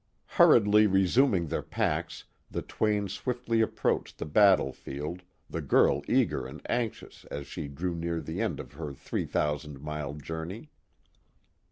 Hurriedly re suming their packs the twain swiftly approached the battle field, the girl eager and anxious as she drew near the end of r iter three thousand mile journey.